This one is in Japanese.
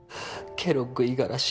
ケロッグ五十嵐